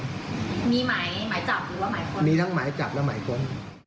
มีหมายหมายจับหรือว่าหมายค้นมีทั้งหมายจับและหมายค้น